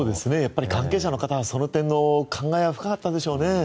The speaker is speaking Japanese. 関係者の方はその点感慨は深かったでしょうね。